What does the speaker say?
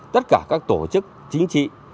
tất cả các tổ chức chính trị